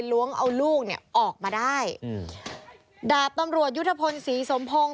ล้วงเอาลูกเนี่ยออกมาได้อืมดาบตำรวจยุทธพลศรีสมพงศ์